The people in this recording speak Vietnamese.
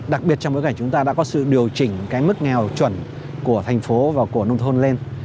đặc biệt trong bối cảnh chúng ta đã có sự điều chỉnh cái mức nghèo chuẩn của thành phố và của nông thôn lên